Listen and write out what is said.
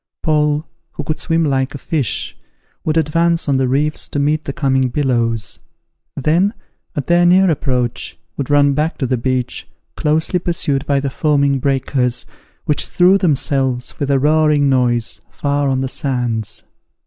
Paul, who could swim like a fish, would advance on the reefs to meet the coming billows; then, at their near approach, would run back to the beach, closely pursued by the foaming breakers, which threw themselves, with a roaring noise, far on the sands.